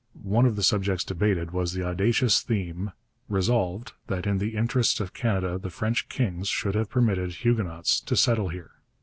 One of the subjects debated was the audacious theme, 'Resolved, that in the interests of Canada the French Kings should have permitted Huguenots to settle here.'